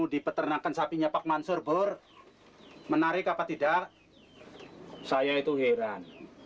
di peternakan sapinya pak mansur bur menarik apa tidak saya itu heran